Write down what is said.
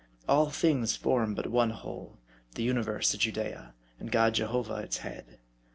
All things form but one whole ; the universe a Judea, and God Jehovah its head.